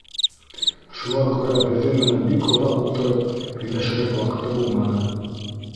Шуға күрә беҙҙең менән бик оҙаҡ ултырып һөйләшерлек ваҡыты булманы.